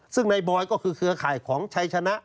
ซึ่งในบอยก็คือเครือข่ายของชัยชนะ